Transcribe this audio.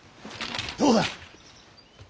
どうだ。